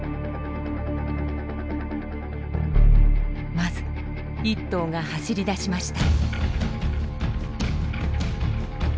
まず１頭が走り出しました。